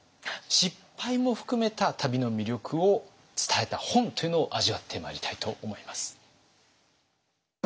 失敗も含めた旅の魅力を伝えた本というのを味わってまいりたいと思います。